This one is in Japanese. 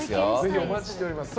お待ちしております。